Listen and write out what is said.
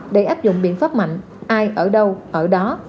để áp dụng biện pháp mạnh ai ở đâu ở đó